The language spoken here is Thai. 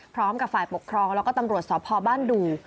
พร้อมกับฝ่ายปกครองแล้วก็ตำรวจสพบ้านดู